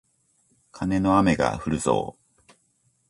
カネの雨がふるぞー